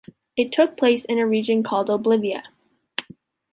It took place in a region called Oblivia.